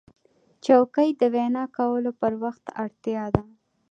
چوکۍ د وینا کولو پر وخت اړتیا ده.